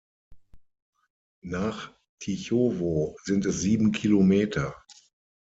Nach Tychowo sind es sieben Kilometer.